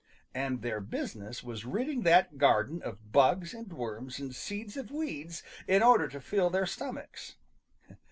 And their business was ridding that garden of bugs and worms and seeds of weeds in order to fill their stomachs.